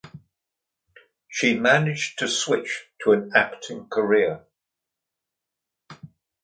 She managed to switch to an acting career.